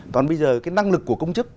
còn bây giờ cái năng lực của công chức